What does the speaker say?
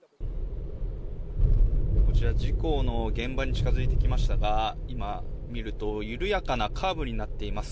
こちら、事故の現場に近づいてきましたが今、見ると緩やかなカーブになっています。